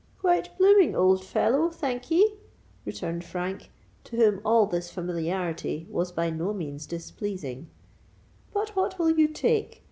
"Quite blooming, old fellow, thank'ee!" returned Frank, to whom all this familiarity was by no means displeasing. "But what will you take?